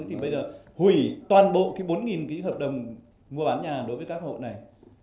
thì bây giờ hủy toàn bộ cái bốn cái hợp đồng mua bán nhà đối với các hộ này